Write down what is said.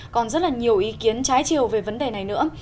còn rất là nhiều ý kiến trái chiều về vấn đề này nữa